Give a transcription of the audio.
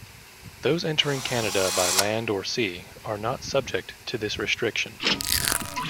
Those entering Canada by land or sea are not subject to this restriction.